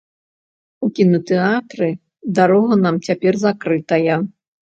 У кінатэатры дарога нам цяпер закрытая.